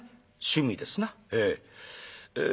趣味ですなええ。